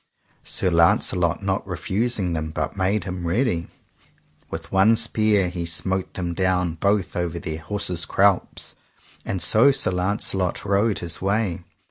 Sir Launcelot not refusing them but made him ready, with one spear he smote them down both over their horses' croups; and so Sir Launcelot rode his way.